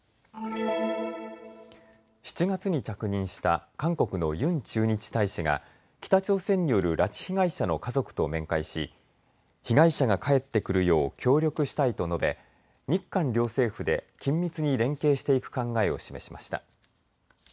７月に着任した韓国のユン駐日大使が北朝鮮による拉致被害者の家族と面会し被害者が帰ってくるよう協力したいと述べ日韓両政府で緊密に連携していく考えを示しました。